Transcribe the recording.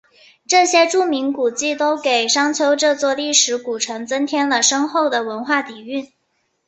这些著名古迹都给商丘这座历史古城增添了深厚的文化底蕴。